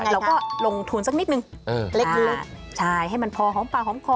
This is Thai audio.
เราก็ลงทุนสักนิดนึงเล็กใช่ให้มันพอหอมปากหอมคอ